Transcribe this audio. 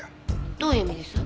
どういう意味です？